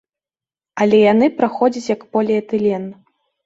Але яны праходзяць як поліэтылен.